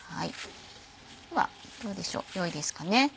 ではどうでしょうよいですかね。